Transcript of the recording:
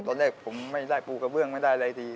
ตอนแรกผมไม่ได้ปูกระเบื้องไม่ได้อะไรที